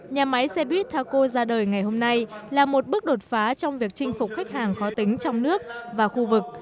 nhà máy xe buýt taco ra đời ngày hôm nay là một bước đột phá trong việc chinh phục khách hàng khó tính trong nước và khu vực